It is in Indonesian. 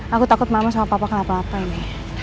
aku takut mama sama papa kenapa apa ini